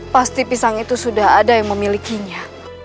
pasti pisang itu sudah ada yang memilikinya